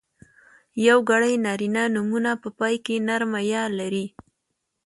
یوګړي نرينه نومونه په پای کې نرمه ی لري.